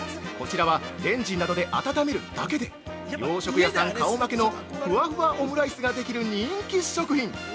こちらはレンジなどで温めるだけで、洋食屋さん顔負けのふわふわオムライスができる人気食品。